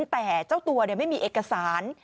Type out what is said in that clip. แต่เจ้าตัวไม่มีเอกสาร